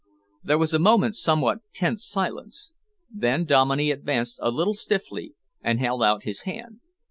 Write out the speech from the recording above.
There was a moment's somewhat tense silence. Then Dominey advanced a little stiffly and held out his hand.